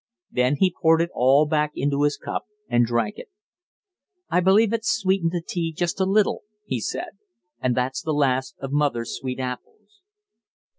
Then he poured it all back into his cup and drank it. "I believe it sweetened the tea just a little," he said, "and that's the last of mother's sweet apples."